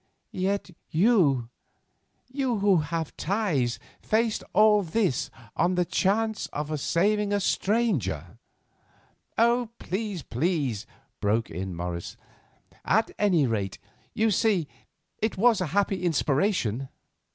"Yet, you—you who have ties, faced all this on the chance of saving a stranger." "Please, please," broke in Morris. "At any rate, you see, it was a happy inspiration."